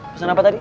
pesen apa tadi